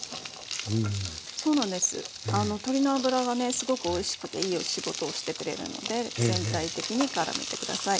すごくおいしくていいお仕事をしてくれるので全体的にからめて下さい。